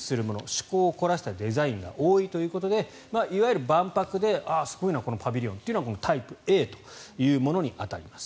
趣向を凝らしたデザインが多いということでいわゆる万博ですごいな、このパビリオンというのはタイプＡに当たります。